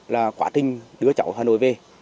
là quả tinh đưa cháu hà nội về